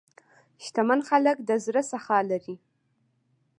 شتمن خلک د زړه سخا لري.